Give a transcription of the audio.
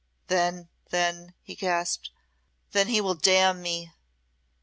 "Then then," he gasped "then will He damn me!"